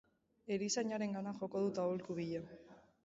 Erizainarengana joko dut aholku bila.